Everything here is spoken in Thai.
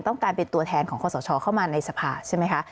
ต้องการเป็นตัวแทนของคอสชเข้ามาในสภาใช่ไหมคะ